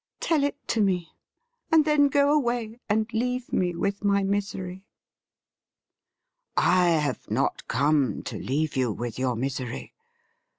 ' Tell it to me, and then go away and leave me with my misery.' ' I have not come to leave you with your misery.